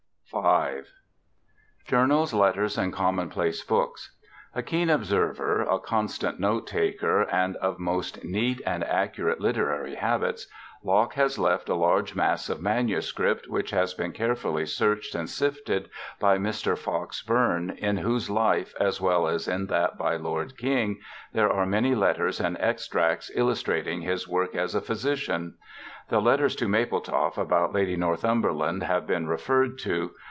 V. Journals, Letters, and Commonplace Books A keen observer, a constant note taker, and of most neat and accurate literary habits, Locke has left a large mass of manuscript, which has been carefully searched and sifted by Mr. Fox Bourne, in whose Life, as well as in that by Lord King, there are many letters and extracts illustrating his work as a physician. The letters to Mapletoft about Lady Northumberland have I02 BIOGRAPHICAL ESSAYS been referred to.